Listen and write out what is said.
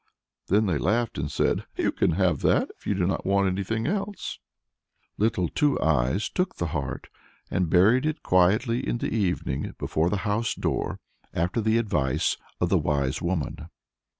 Then they laughed and said, "You can have that, if you do not want anything else." Little Two Eyes took the heart, and buried it quietly in the evening before the house door, after the advice of the wise woman.